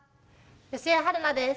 吉江晴菜です。